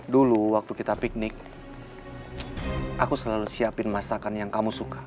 dulu waktu kita piknik aku selalu siapin masakan yang kamu suka